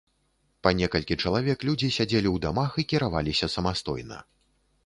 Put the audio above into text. Па некалькі чалавек людзі сядзелі ў дамах і кіраваліся самастойна.